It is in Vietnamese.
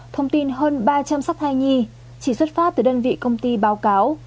thông tin hơn ba trăm linh sắc thai nhi chỉ xuất phát từ đơn vị công ty báo cáo